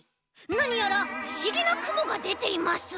なにやらふしぎなくもがでています。